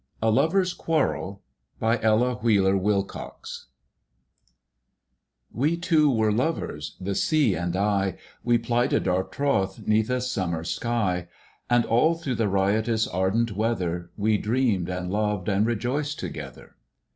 A LOVER'S QUARREL 15 A LOVER'S QUARREL WE two were lovers, the Sea and I ; We plighted our troth 'neath a summer sky. And all through the riotous, ardent weather We dreamed, and loved, and rejoiced together.